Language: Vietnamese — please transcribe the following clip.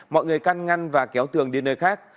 mọi người căn ngăn và kéo tường đi nơi khác